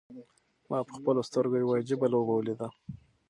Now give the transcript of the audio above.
ما په خپلو سترګو یوه عجیبه لوبه ولیده.